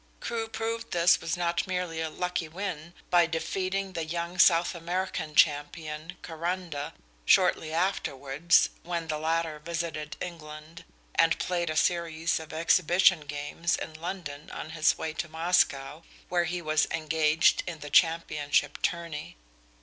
Crewe proved this was not merely a lucky win by defeating the young South American champion, Caranda, shortly afterwards, when the latter visited England and played a series of exhibition games in London on his way to Moscow, where he was engaged in the championship tourney.